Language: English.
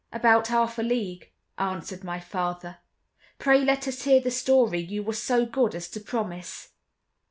"About half a league," answered my father. "Pray let us hear the story you were so good as to promise."